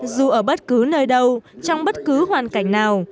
dù ở bất cứ nơi đâu trong bất cứ hoàn cảnh nào